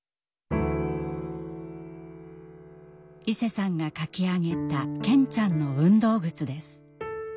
いせさんが描き上げた健ちゃんの運動靴です。